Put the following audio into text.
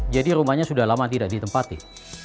jadi rumahnya sudah lama tidak ditempati